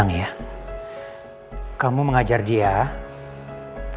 enggak akan memberikan keuntungan apapun